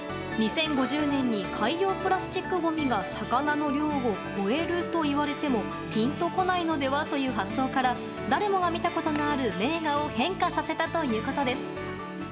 ２０５０年に海洋プラスチックごみが魚の量を超えるといわれてもピンと来ないのではという発想から誰もが見たことのある名画を変化させたということです。